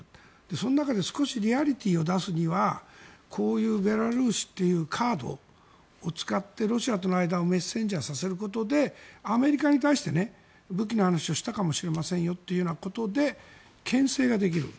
その中で少しリアリティーを出すにはこういうベラルーシっていうカードを使ってロシアとの間をメッセンジャーさせることでアメリカに対して武器の話をしたかもしれませんよということでけん制ができる。